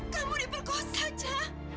kamu dibugos saja